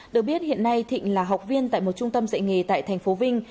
được biết hiện nay thịnh là học viên tại một trung tâm dạy nghề tại tp vinh